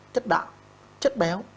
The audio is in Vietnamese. chất đạo chất béo